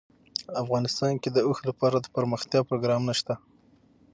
افغانستان کې د اوښ لپاره دپرمختیا پروګرامونه شته.